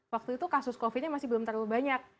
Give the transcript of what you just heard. waktu itu kasus covid nya masih belum terlalu banyak